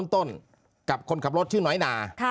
ต้นกับคนขับรถชื่อน้อยนา